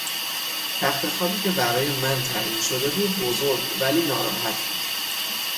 تختخوابی که برای من تعیین شده بود بزرگ ولی ناراحت بود.